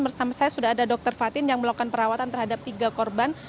bersama saya sudah ada dr fatin yang melakukan perawatan terhadap tiga korban